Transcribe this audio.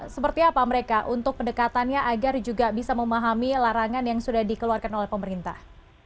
seperti apa mereka untuk pendekatannya agar juga bisa memahami larangan yang sudah dikeluarkan oleh pemerintah